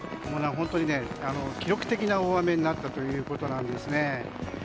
本当に記録的な大雨になったということなんですね。